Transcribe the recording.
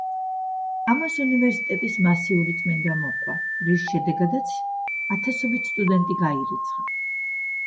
ამას უნივერსიტეტის მასიური წმენდა მოჰყვა, რის შედეგად ათასობით სტუდენტი გაირიცხა.